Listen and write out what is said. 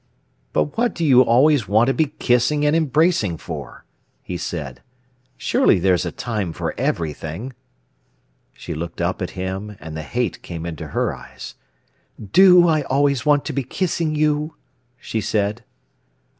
"But what do you always want to be kissing and embracing for?" he said. "Surely there's a time for everything." She looked up at him, and the hate came into her eyes. "Do I always want to be kissing you?" she said.